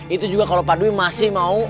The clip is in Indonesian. itu juga kalau padwi masih mau